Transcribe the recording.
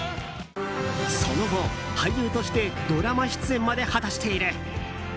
その後、俳優としてドラマ出演まで果たしている。